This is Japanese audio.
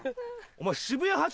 お前。